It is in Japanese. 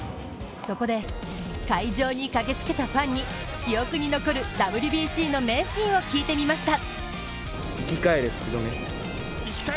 そこで会場に駆けつけたファンに記憶に残るＷＢＣの名シーンを聞いてみました。